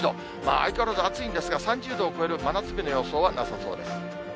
相変わらず暑いんですが、３０度を超える真夏日の予想はなさそうです。